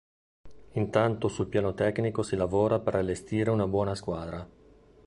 Intanto sul piano tecnico si lavora per allestire una buona squadra.